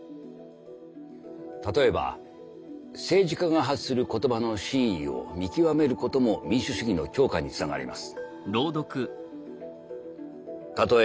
例えば政治家が発する言葉の真意を見極めることも民主主義の強化につながります。